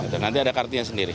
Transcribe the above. nanti ada kartunya sendiri